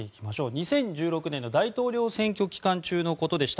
２０１６年の大統領選挙期間中のことでした。